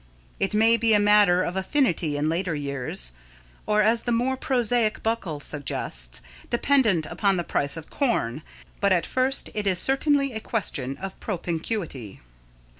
It may be a matter of affinity in later years, or, as the more prosaic Buckle suggests, dependent upon the price of corn, but at first it is certainly a question of propinquity.